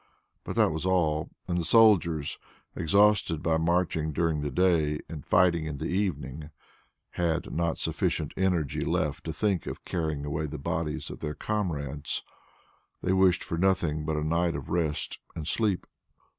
But that was all, and the soldiers, exhausted by marching during the day and fighting in the evening, had not sufficient energy left to think of carrying away the bodies of their comrades. They wished for nothing but a night of rest and sleep.